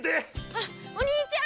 あっお兄ちゃん！